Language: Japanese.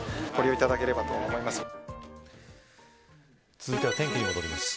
続いては天気に戻ります。